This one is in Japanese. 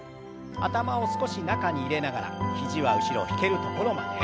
頭を少し中に入れながら肘は後ろ引けるところまで。